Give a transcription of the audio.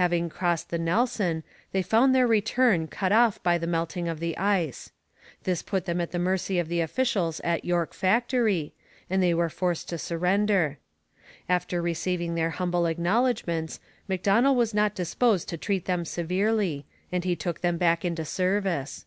Having crossed the Nelson, they found their return cut off by the melting of the ice. This put them at the mercy of the officials at York Factory, and they were forced to surrender. After receiving their humble acknowledgments Macdonell was not disposed to treat them severely, and he took them back into service.